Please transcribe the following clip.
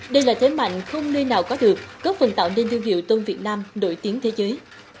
đây là thế mạnh không nơi nào có được góp phần tạo nên thương hiệu tôm việt nam nổi tiếng thế giới